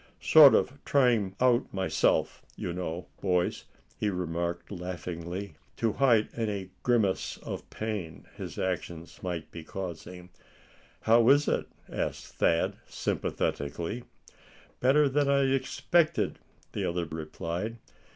"Sort of trying out myself, you know, boys," he remarked, laughingly, to hide any grimace of pain, his actions might be causing. "How is it?" asked Thad, sympathetically. "Better than I expected," the other replied.